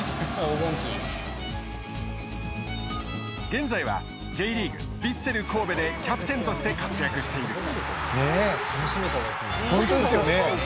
現在は、Ｊリーグヴィッセル神戸でキャプテンとして活躍している。